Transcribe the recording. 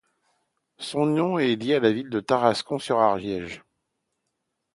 Son nom est lié à la ville de Tarascon-sur-Ariège.